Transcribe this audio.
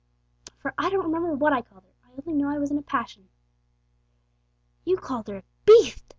For I don't remember what I called her! I only know I was in a passion." "You called her a beatht!"